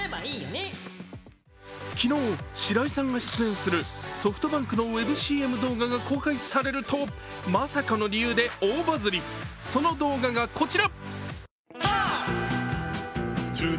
昨日、白井さんが出演するソフトバンクのウェブＣＭ動画が公開されるとまさかの理由で大バズり、その動画がこちら。